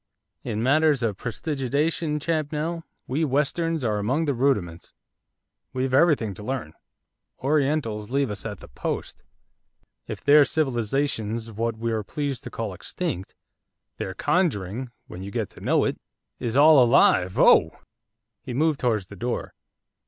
In matters of prestidigitation, Champnell, we Westerns are among the rudiments, we've everything to learn, Orientals leave us at the post. If their civilisation's what we're pleased to call extinct, their conjuring when you get to know it! is all alive oh!' He moved towards the door.